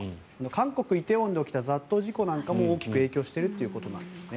韓国・梨泰院で起きた雑踏事故なんかも大きく影響しているということなんですね。